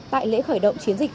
tại lễ khởi động chiến dịch